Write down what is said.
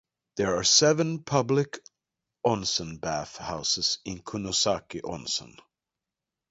There are seven public onsen bath houses in Kinosaki Onsen.